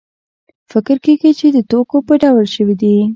فکر کېږي چې د ټوکو په ډول شوې دي.